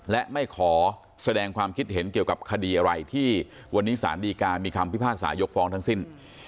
และไม่ขอแสดงความคิดเห็นเกี่ยวกับคดีอะไรที่วันนี้สารดีกามีคำพิพากษายกฟ้องทั้งสิ้น